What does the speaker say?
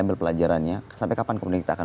ambil pelajarannya sampai kapan kemudian kita akan